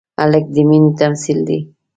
هلک د مینې تمثیل دی.